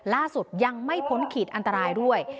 ล่าสุดยังไม่พ้นขีดอันตรายด้วย